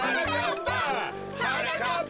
はなかっぱ！